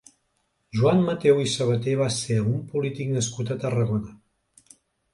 Joan Matheu i Sabater va ser un polític nascut a Tarragona.